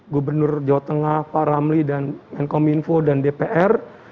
gubernur jawa tengah pak ramli dan menkominfo dan dpr